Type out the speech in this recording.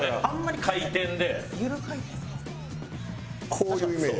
こういうイメージ。